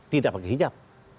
tidak pakai hijab